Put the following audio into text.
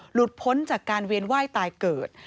พ้นจากการเวียนไหว้ตายเกิด